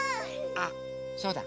あそうだ！